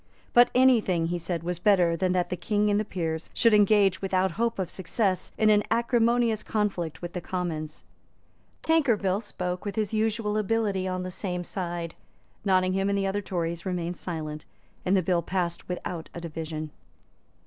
But any thing, he said, was better than that the King and the Peers should engage, without hope of success, in an acrimonious conflict with the Commons. Tankerville spoke with his usual ability on the same side. Nottingham and the other Tories remained silent; and the bill passed without a division.